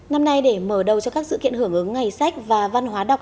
năm nay để mở đầu cho các sự kiện hưởng ứng ngày sách và văn hóa đọc